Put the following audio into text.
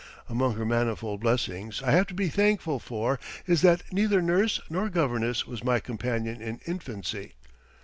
Among the manifold blessings I have to be thankful for is that neither nurse nor governess was my companion in infancy.